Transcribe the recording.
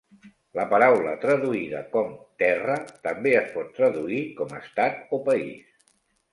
La paraula traduïda com "terra" també es pot traduir com estat o país.